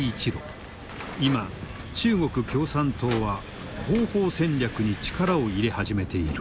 今中国共産党は広報戦略に力を入れ始めている。